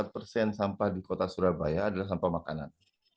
empat persen sampah di kota surabaya adalah sampah makanan